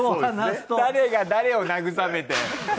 誰が誰を慰めて。